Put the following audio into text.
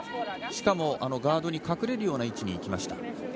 しかもガードに隠れるような位置に置きました。